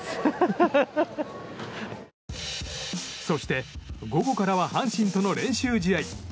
そして午後からは阪神との練習試合。